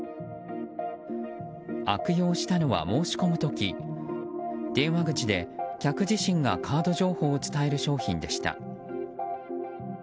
悪用したのは申し込む時電話口で客自身がカード情報を伝える商品でした。